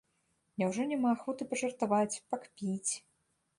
Няўжо няма ахвоты пажартаваць, пакпіць?